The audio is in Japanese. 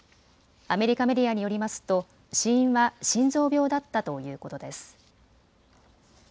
アメリカメディアによりますと死因は心臓病だったということです。